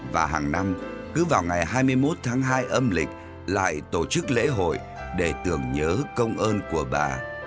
và hàng năm cứ vào ngày hai mươi một tháng hai âm lịch lại tổ chức lễ hội để tưởng nhớ công ơn của bà